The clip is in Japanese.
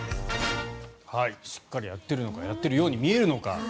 しっかりやってるのかやってるように見えるのか。